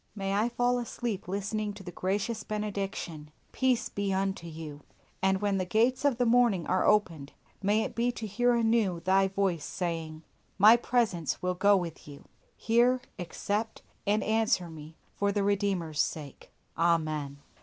May I fall asleep listening to the gracious benediction, "Peace be unto you." And when the gates of the morning are opened, may it be to hear anew Thy voice saying, "My presence will go with you." Hear, accept, and answer me, for the Redeemer's sake. Amen.